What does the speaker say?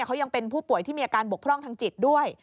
เขายังเป็นผู้ป่วยที่มีอาการบกพร่องทางจิตด้วย